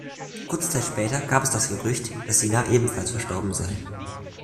Kurze Zeit später gab es das Gerücht, dass Sinar ebenfalls verstorben sei.